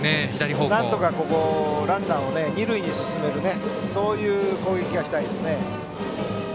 なんとかランナーを二塁に進める攻撃がしたいですね。